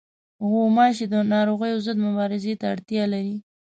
غوماشې د ناروغیو ضد مبارزې ته اړتیا لري.